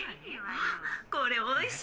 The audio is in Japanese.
「あこれおいしい！」